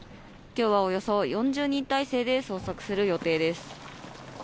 今日はおよそ４０人態勢で捜索する予定です。